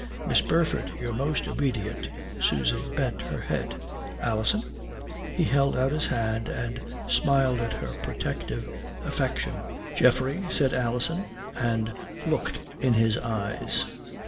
Miss Burford, your most obedient." Susan bent her head. "Alison " he held out his hand and smiled at her protective affection. "Geoffrey," said Alison, and looked in his eyes.